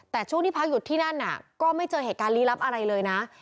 แต่ช่วงที่พักอยู่ที่นั่นก็ไม่เจอเหตุการณ์ลี้ลับอะไรเลยนะ